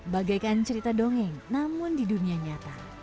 bagaikan cerita dongeng namun di dunia nyata